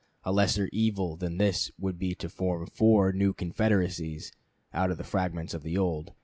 A lesser evil than this would be to form four new confederacies out of the fragments of the old.